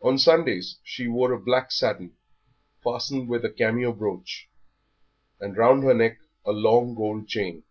On Sundays she wore a black satin, fastened with a cameo brooch, and round her neck a long gold chain.